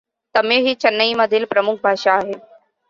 तमिळ ही चेन्नई मधील प्रमुख भाषा आहे.